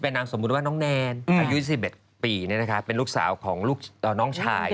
เป็นนางสมบูรณ์รึเปล่าน้องแนนอายุ๑๑ปีเป็นลูกสาวของน้องชาย